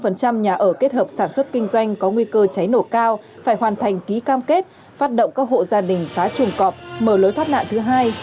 một nhà ở kết hợp sản xuất kinh doanh có nguy cơ cháy nổ cao phải hoàn thành ký cam kết phát động các hộ gia đình phá chuồng cọp mở lối thoát nạn thứ hai